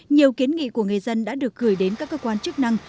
nhiều kiến nghị của người dân đã được gửi đến các cơ quan chức năng